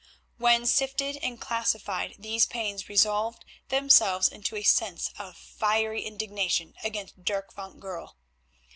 When sifted and classified these pains resolved themselves into a sense of fiery indignation against Dirk van Goorl.